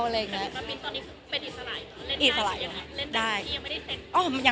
มันเป็นอิสระหรือเปล่า